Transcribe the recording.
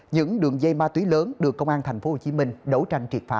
những đường dây ma túy lớn được công an thành phố hồ chí minh đấu tranh triệt phá